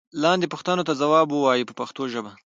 لاندې پوښتنو ته ځواب و وایئ په پښتو ژبه.